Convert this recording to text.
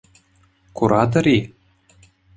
Куратӑр-и?